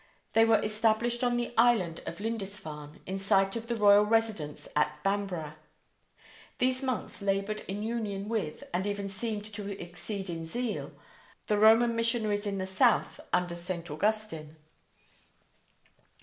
They were established on the island of Lindisfarne, in sight of the royal residence at Bamborough. These monks labored in union with, and even seemed to exceed in zeal, the Roman missionaries in the south under St. Augustine.